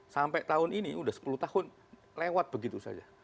sampai tahun ini sudah sepuluh tahun lewat begitu saja